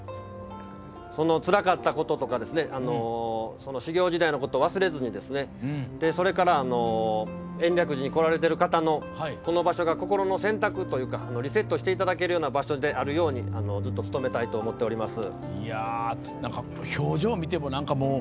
つらかったこととか修行時代のこと忘れずにそれから延暦寺に来られている方がこの場所が心の洗濯というかリセットしていただけるような場所であるようにずっとつとめたいと思っています。